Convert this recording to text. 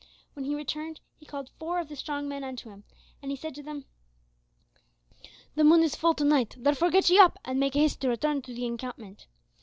When he returned he called four of the strong men unto him, and he said to them, "The moon is full to night, therefore get ye up and make haste to return to the encampment.